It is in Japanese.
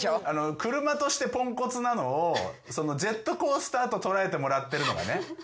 車としてポンコツなのをジェットコースターと捉えてもらってるのがね